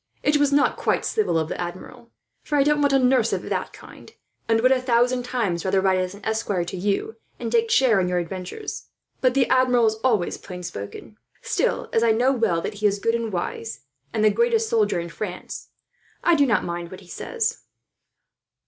It was not quite civil of the Admiral; for I don't want a nurse of that kind, and would a thousand times rather ride as an esquire to you, and take share in your adventures. But the Admiral is always plain spoken; still, as I know well that he is good and wise, and the greatest soldier in France, I do not mind what he says."